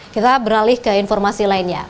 kita beralih ke informasi lainnya